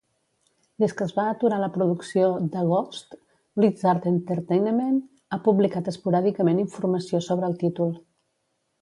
Des que es va aturar la producció de "Ghost", Blizzard Entertainment ha publicat esporàdicament informació sobre el títol.